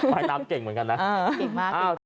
ฝ่ายน้ำเก่งเหมือนกันนะ